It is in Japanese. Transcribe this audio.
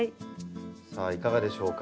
さあいかがでしょうか？